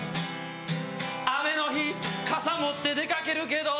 雨の日傘持って出掛けるけど